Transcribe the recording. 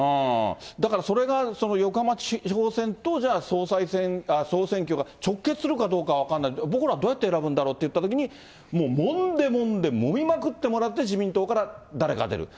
だからそれが、横浜市長選とじゃあ、総選挙が直結するかどうか分かんないけど、僕らどうやって選ぶんだろうというときには、もう、もんでもんでもみまくってもらって、自民党から誰か出る。